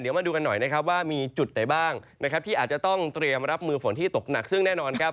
เดี๋ยวมาดูกันหน่อยนะครับว่ามีจุดไหนบ้างนะครับที่อาจจะต้องเตรียมรับมือฝนที่ตกหนักซึ่งแน่นอนครับ